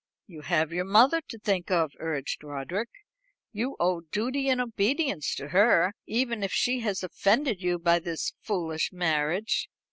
"You have your mother to think of," urged Roderick. "You owe duty and obedience to her, even if she has offended you by this foolish marriage.